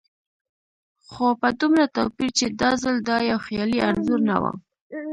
خو په دومره توپير چې دا ځل دا يو خيالي انځور نه و.